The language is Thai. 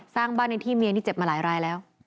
สร้างบ้านในที่เมียนี่เจ็บมาหลายรายแล้ว